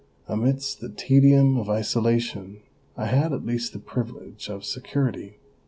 Amidst the tedium of isolation I had at least the privilege of security.